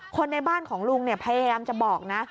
คนในบ้านของลุงพยายามจะบอกนะ